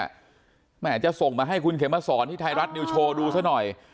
แม่จะส่งมาให้คุณเขมสอนที่ไทยรัฐนิวโชว์ดูซะหน่อย